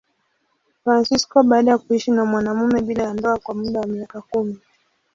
Fransisko baada ya kuishi na mwanamume bila ya ndoa kwa muda wa miaka kumi.